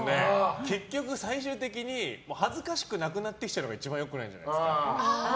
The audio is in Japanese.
結局最終的に恥ずかしくなくなってきちゃうのが一番やばくないですか。